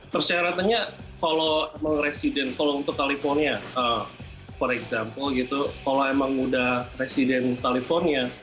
persyaratannya kalau untuk california for example kalau emang sudah resident california